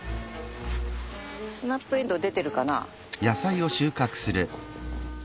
スナップエンドウ出てるかな。